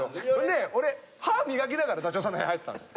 で俺歯を磨きながらダチョウさんの部屋入ったんです。